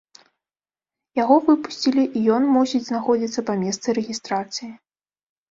Яго выпусцілі і ён мусіць знаходзіцца па месцы рэгістрацыі.